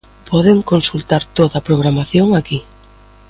Poden consultar toda a programación aquí.